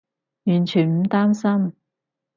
完全唔擔心